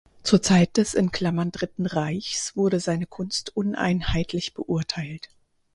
Zur Zeit des „Dritten Reichs“ wurde seine Kunst uneinheitlich beurteilt.